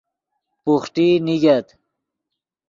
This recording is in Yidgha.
بوحٹی نیگت